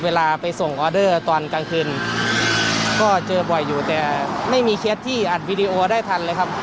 เวลาไปส่งออเดอร์ตอนกลางคืนก็เจอบ่อยอยู่แต่ไม่มีเคสที่อัดวิดีโอได้ทันเลยครับ